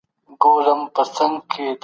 مغروره نه کړي